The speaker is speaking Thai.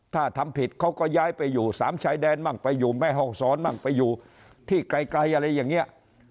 ถ้าทำผิดเขาก็ย้ายไปอยู่สามชายแดนมั่งไปอยู่แม่ห้องสอนมั่งไปอยู่ที่ไกลอะไรอย่างนี้